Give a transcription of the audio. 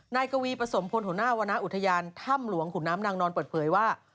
กวีประสมพลหัวหน้าวรรณอุทยานถ้ำหลวงขุนน้ำนางนอนเปิดเผยว่า